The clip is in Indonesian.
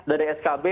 sudah ada skb